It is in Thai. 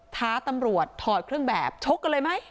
ท้าตำรวจถอดเครื่องแบบชกกันเลยไหม